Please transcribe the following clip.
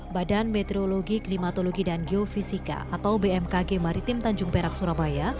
badan meteorologi klimatologi dan geofisika atau bmkg maritim tanjung perak surabaya